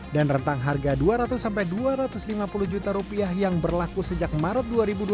dan rentang harga dua ratus dua ratus lima puluh juta rupiah yang berlaku sejak maret dua ribu dua puluh satu